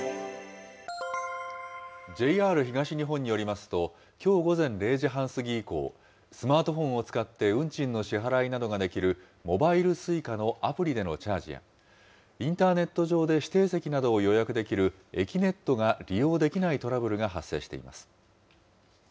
ＪＲ東日本によりますと、きょう午前０時半過ぎ以降、スマートフォンを使って運賃の支払いなどができるモバイルＳｕｉｃａのアプリでのチャージや、インターネット上で指定席などを予約できるえきねっとが利用できないトラブルが発生しています。